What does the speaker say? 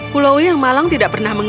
pulowi yang malang tidak pernah menang